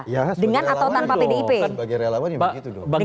ya sebagai relawan ya begitu